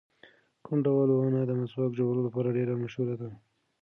کوم ډول ونه د مسواک جوړولو لپاره ډېره مشهوره ده؟